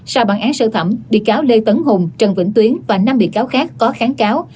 sau bản án sơ thẩm bị cáo lê tấn hùng trần vĩnh tuyến và năm bị cáo khác có kháng cáo